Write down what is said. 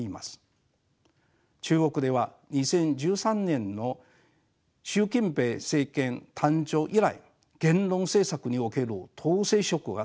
中国では２０１３年の習近平政権誕生以来言論政策における統制色が強まってきました。